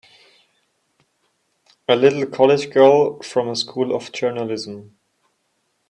A little college girl from a School of Journalism!